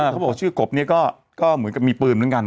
เขาบอกชื่อกบเนี่ยก็เหมือนกับมีปืนเหมือนกัน